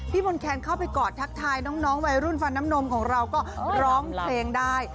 มนแคนเข้าไปกอดทักทายน้องวัยรุ่นฟันน้ำนมของเราก็ร้องเพลงได้